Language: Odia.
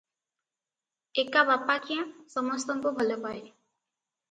ଏକା ବାପା କ୍ୟାଁ, ସମସ୍ତଙ୍କୁ ଭଲପାଏ ।